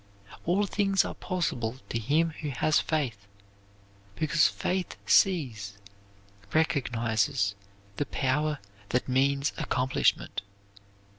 All things are possible to him who has faith, because faith sees, recognizes the power that means accomplishment.